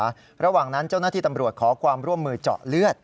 ให้แพทย์ปรักษาระหว่างนั้นเจ้าหน้าที่ตำรวจขอความร่วมมือเจาะเลือด